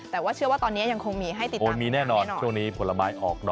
แต่เชื่อว่าตอนนี้ยังคงมีให้ติดตามอย่างนั้นแน่นอนค่ะใช่แล้วโอ้ยมีแน่นอน